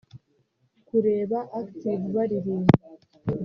Kureba Active baririmba